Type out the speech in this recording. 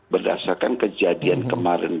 berdasarkan kejadian kemarin